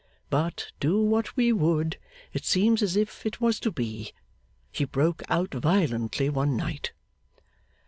But, do what we would, it seems as if it was to be; she broke out violently one night.